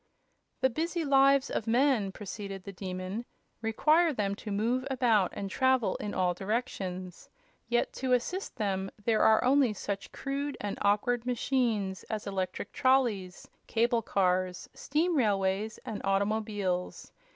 "The busy lives of men," proceeded the Demon, "require them to move about and travel in all directions. Yet to assist them there are only such crude and awkward machines as electric trolleys, cable cars, steam railways and automobiles.